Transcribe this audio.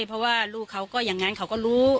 เพราะว่าลูกเขาก็อย่างนั้นเขาก็รู้